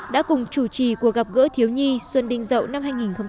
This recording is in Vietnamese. đã cùng chủ trì cuộc gặp gỡ thiếu nhi xuân đinh dậu năm hai nghìn một mươi bảy